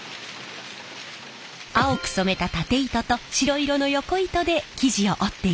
青く染めたタテ糸と白色のヨコ糸で生地を織っていきます。